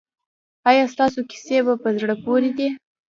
ایا ستاسو کیسې په زړه پورې دي؟